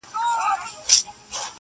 هر گړی ځانته د امن لوری گوري!!